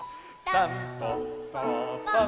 たんぽっぽぽん！」